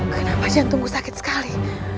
kenapa jantungku sakit sekali